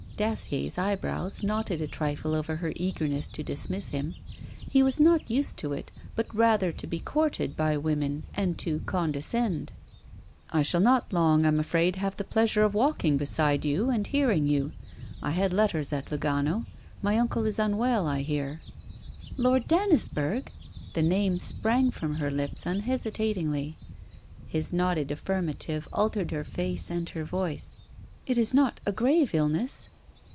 Dacier's eyebrows knotted a trifle over her eagerness to dismiss him: he was not used to it, but rather to be courted by women, and to condescend. 'I shall not long, I'm afraid, have the pleasure of walking beside you and hearing you. I had letters at Lugano. My uncle is unwell, I hear.' 'Lord Dannisburgh?' The name sprang from her lips unhesitatingly. His nodded affirmative altered her face and her voice. 'It is not a grave illness?'